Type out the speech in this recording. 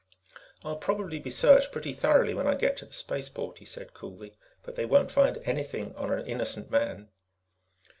"I'll probably be searched pretty thoroughly when I get to the spaceport," he said coolly, "but they won't find anything on an innocent man."